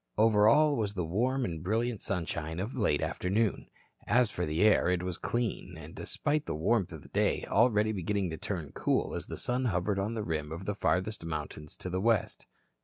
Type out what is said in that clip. Over all was the warm and brilliant sunshine of late afternoon. As for the air, it was clean and despite the warmth of the day already beginning to turn cool as the sun hovered on the rim of the farthest mountains to the west.